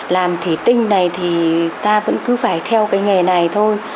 làm thủy tinh này thì ta vẫn cứ phải theo cái nghề này thôi